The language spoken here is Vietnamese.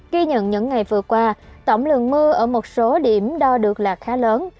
ghi nhận những ngày vừa qua tổng lượng mưa ở một số điểm đo được là khá lớn